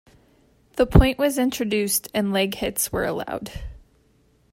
The point was introduced and leg hits were allowed.